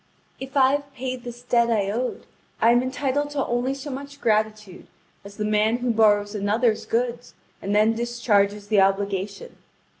If I have paid this debt I owed, I am entitled to only so much gratitude as the man who borrows another's goods and then discharges the obligation.